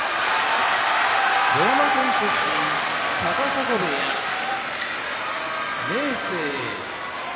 富山県出身高砂部屋明生